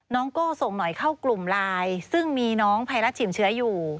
โก้ส่งหน่อยเข้ากลุ่มไลน์ซึ่งมีน้องไพรัสฉิมเชื้ออยู่